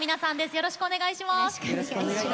よろしくお願いします。